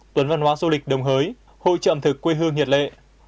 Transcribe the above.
tuần văn hóa du lịch đồng hới hội trợm thực quê hương nhiệt lệ